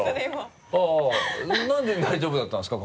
なんで大丈夫だったんですか？